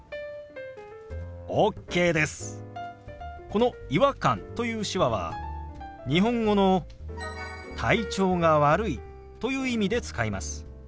この「違和感」という手話は日本語の「体調が悪い」という意味で使います。